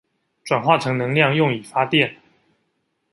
轉化成能量用以發電